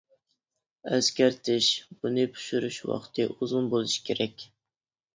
ئەسكەرتىش: بۇنى پىشۇرۇش ۋاقتى ئۇزۇن بولۇشى كېرەك.